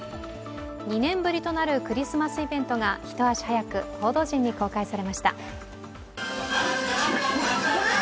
２年ぶりとなるクリスマスイベントが一足早く、報道陣に公開されました。